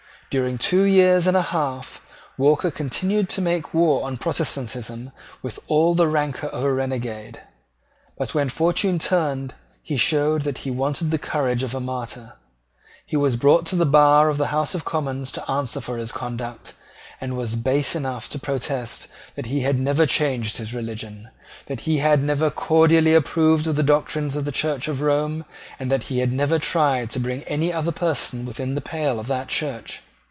During two years and a half, Walker continued to make war on Protestantism with all the rancour of a renegade: but when fortune turned he showed that he wanted the courage of a martyr. He was brought to the bar of the House of Commons to answer for his conduct, and was base enough to protest that he had never changed his religion, that he had never cordially approved of the doctrines of the Church of Rome, and that he had never tried to bring any other person within the pale of that Church.